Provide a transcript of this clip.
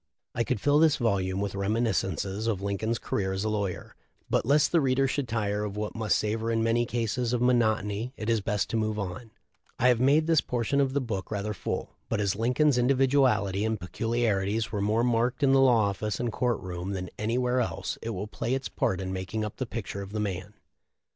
"f I could fill this volume with reminiscences of Lin coln's career as a lawyer, but lest the reader should tire of what must savor in many cases of monotony * From statement, Nov. 24, 1865. t Arnold's "Lincoln," p. 90. .360 THE LIFE 0F LINCOLN. it is best to move on. I have made this portion of the book rather full; but as Lincoln's individuality and peculiarities were more marked in the law office and court room than anywhere else it will play its part in making up the picture of the man.